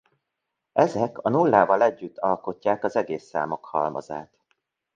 Ezek a nullával együtt alkotják az egész számok halmazát.